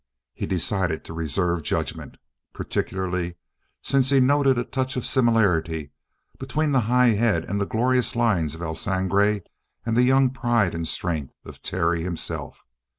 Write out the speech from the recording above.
He decided to reserve judgment. Particularly since he noted a touch of similarity between the high head and the glorious lines of El Sangre and the young pride and strength of Terry himself.